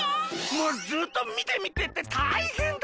もうずっと「みてみて」ってたいへんだったよ。